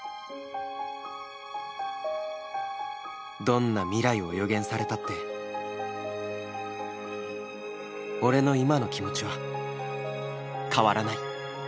どんな未来を予言されたって俺の今の気持ちは変わらない！